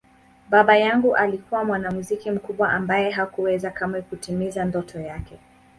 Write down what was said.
Baba yangu alikuwa mwanamuziki mkubwa ambaye hakuweza kamwe kutimiza ndoto yake.